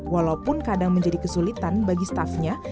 walaupun kadang menjadi kesulitan bagi staffnya